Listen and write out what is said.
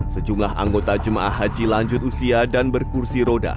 sejumlah anggota jemaah haji lanjut usia dan berkursi roda